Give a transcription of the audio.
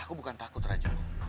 aku bukan takut raja